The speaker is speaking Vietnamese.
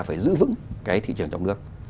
phải giữ vững cái thị trường trong nước